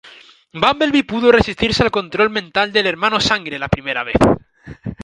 Bumblebee pudo resistirse al control mental del Hermano Sangre la primera vez.